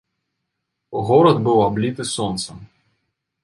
Горад быў абліты сонцам.